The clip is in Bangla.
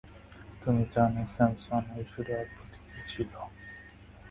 তুমি জানো, স্যামসন, ঐ সুরে অদ্ভুত কিছু ছিলো।